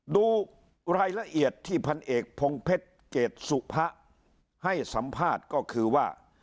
ดูรายละเอียดที่พันเอกพงเพชรเกรดสุพะให้สัมภาษณ์ก็คือว่า